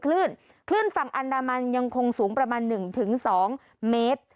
คลื่นคลื่นฝั่งอันดามันยังคงสูงประมาณหนึ่งถึงสองเมตร